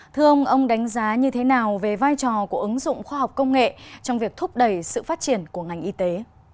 thưa ông ông đánh giá như thế nào về vai trò của ứng dụng khoa học công nghệ trong việc thúc đẩy sự phát triển của ngành y tế